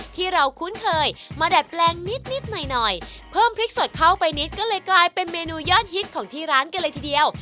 ที่เราคุ้นเคยมาดัดแปลงนิดนิดหน่อยหน่อยเพิ่มพริกสดเข้าไปนิดก็เลยกลายเป็นเมนูยอดฮิตของที่ร้านกันเลยทีเดียว